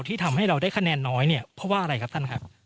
ที่ทำให้เราได้คะแนนน้อยเนี่ยเพราะว่าอะไรครับท่านครับ